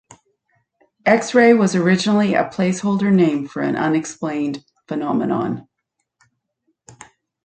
"X-ray" was originally a placeholder name for an unexplained phenomenon.